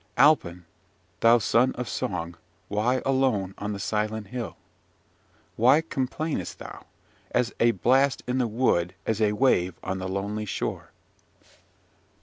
Alpin, thou son of song, why alone on the silent hill? why complainest thou, as a blast in the wood as a wave on the lonely shore?